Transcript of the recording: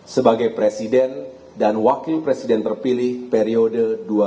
sebagai presiden dan wakil presiden terpilih periode dua ribu dua puluh empat dua ribu dua puluh sembilan